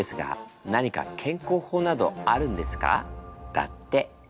だって。